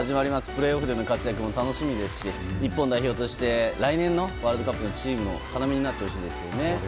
プレーオフでの活躍も楽しみですし日本代表として来年のワールドカップのチームの要になってほしいですね。